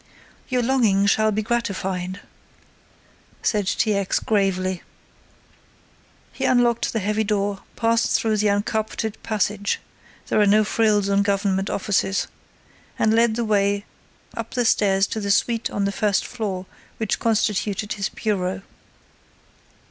"Your longing shall be gratified," said T. X. gravely. He unlocked the heavy door, passed through the uncarpeted passage there are no frills on Government offices and led the way up the stairs to the suite on the first floor which constituted his bureau.